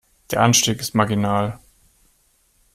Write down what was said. Der Anstieg ist marginal.